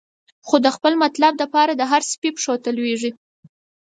خو د خپل مطلب د پاره، د هر سپی پښو ته لویږی